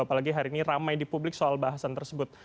apalagi hari ini ramai di publik soal bahasan tersebut